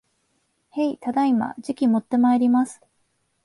へい、ただいま。じきもってまいります